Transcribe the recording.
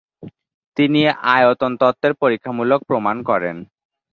তিনি আয়নতত্ত্বের পরীক্ষামূলক প্রমাণ করেন।